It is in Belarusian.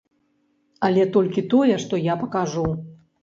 Але толькі тое, што я пакажу.